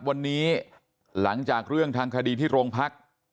วันนี้หลังจากเรื่องทางคดีที่โรงพัก